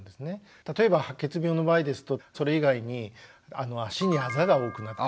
例えば白血病の場合ですとそれ以外に足にあざが多くなってくるとか。